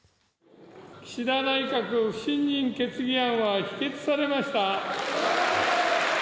岸田内閣不信任決議案は否決されました。